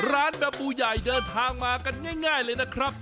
ร้านแบบบูใหญ่เดินทางมากันง่ายเลยนะครับ